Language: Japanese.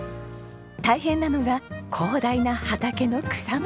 大変なのが広大な畑の草むしり。